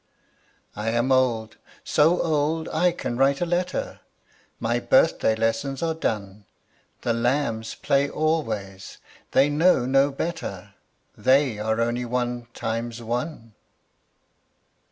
I am old, so old, I can write a letter; My birthday lessons are done; The lambs play always, they know no better; They are only one times one.